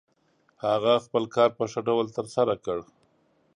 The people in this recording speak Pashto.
هغه خپل کار په ښه ډول ترسره کړ.